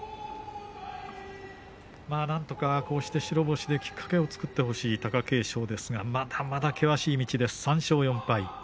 なんとか白星できっかけを作ってほしい貴景勝ですがまだまだ険しい道です、３勝４敗。